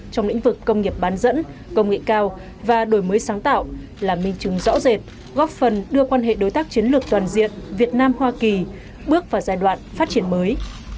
trong lĩnh vực công nghiệp bán dẫn công nghệ cao và đổi mới sáng tạo là minh chứng rõ rệt góp phần đưa quan hệ đối tác chiến lược toàn diện việt nam hoa kỳ bước vào giai đoạn phát triển mới